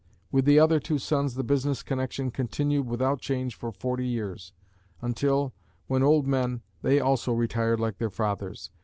With the other two sons the business connection continued without change for forty years, until, when old men, they also retired like their fathers.